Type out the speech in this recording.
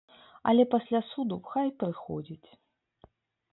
Але пасля суду хай прыходзіць.